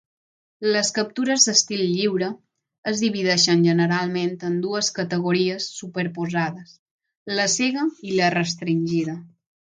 Les captures d"estil lliure es divideixen generalment en dues categories superposades: la cega i la restringida.